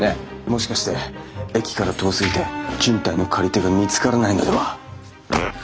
もしかして駅から遠すぎて賃貸の借り手が見つからないのでは？